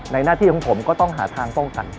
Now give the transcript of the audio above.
หน้าที่ของผมก็ต้องหาทางป้องกัน